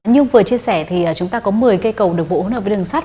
nhưng vừa chia sẻ thì chúng ta có một mươi cây cầu đường bộ hỗn hợp với đường sắt